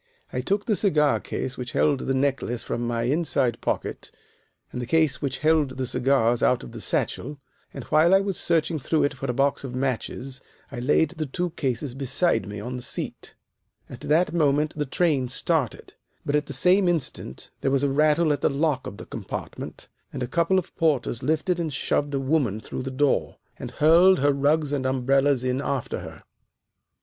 "I took the cigar case which held the necklace from my inside pocket and the case which held the cigars out of the satchel, and while I was searching through it for a box of matches I laid the two cases beside me on the seat. "At that moment the train started, but at the same instant there was a rattle at the lock of the compartment, and a couple of porters lifted and shoved a woman through the door, and hurled her rugs and umbrellas in after her.